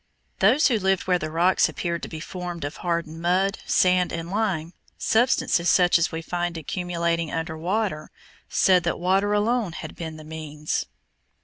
Those who lived where the rocks appeared to be formed of hardened mud, sand, and lime, substances such as we find accumulating under water, said that water alone had been the means.